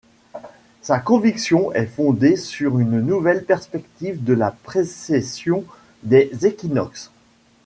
Sa conviction est fondée sur une nouvelle perspective de la précession des équinoxes.